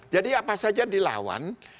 jadi apa saja dilawan